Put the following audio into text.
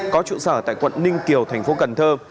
có trụ sở tại quận ninh kiều thành phố cần thơ